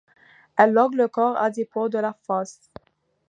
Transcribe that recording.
Elle loge le corps adipeux de la face.